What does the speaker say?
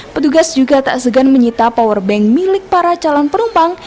petugas juga tak segan menyita powerbank milik para calon penumpang